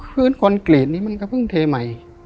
คืนคอนกรีตนี้มันก็เพิ่งเทใหม่